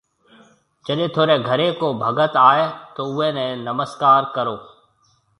جڏي ٿوريَ گهري ڪو ڀگت آئي تو اُوئي نَي نمسڪار ڪرو۔